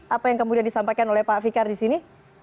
apa yang kemudian disampaikan oleh pak fikar di sini